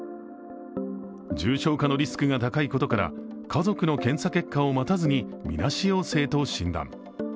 重症化のリスクが高いことから、家族の検査結果を待たずにみなし陽性と診断。